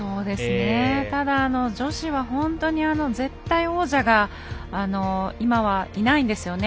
ただ、女子は絶対王者が今はいないんですよね。